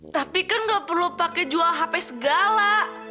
tapi kan gak perlu pakai jual hp segala